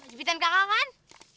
jepitan kakak kan